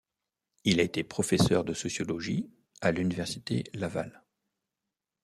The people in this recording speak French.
Il a été professeur de sociologie à l’Université Laval.